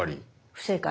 不正解。